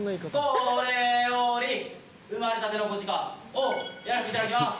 これより「産まれたての子鹿」をやらせていただきます。